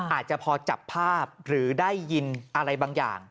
อาจจะพอจับภาพหรือได้ยินอะไรบางอย่าง